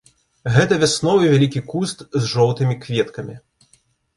Гэта вясновы вялікі куст з жоўтымі кветкамі.